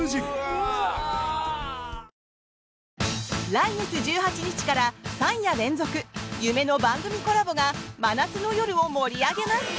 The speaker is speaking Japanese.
来月１８日から３夜連続夢の番組コラボが真夏の夜を盛り上げます！